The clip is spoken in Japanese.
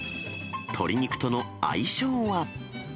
鶏肉との相性は？